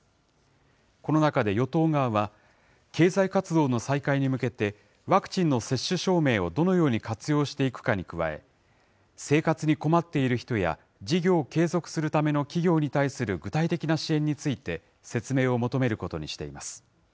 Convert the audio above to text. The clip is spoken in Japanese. この中で与党側は、経済活動の再開に向けて、ワクチンの接種証明をどのように活用していくかに加え、生活に困っている人や、事業を継続するための企業に対する具体的な支援について、説明を求めることにしています。